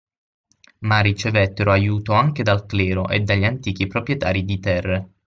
Ma ricevettero aiuto anche dal clero e dagli antichi proprietari di terre